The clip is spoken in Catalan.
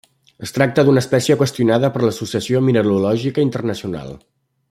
Es tracta d'una espècia qüestionada per l'Associació Mineralògica Internacional.